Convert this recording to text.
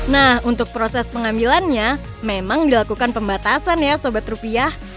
nah untuk proses pengambilannya memang dilakukan pembatasan ya sobat rupiah